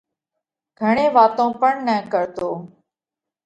گھڻي واتون پڻ نہ ڪرتو۔